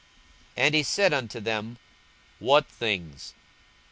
42:024:019 And he said unto them, What things?